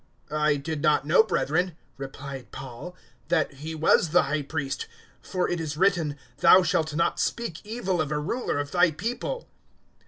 023:005 "I did not know, brethren," replied Paul, "that he was the High Priest; for it is written, `Thou shalt not speak evil of a ruler of Thy people.'"